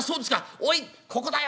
おいここだよ！」。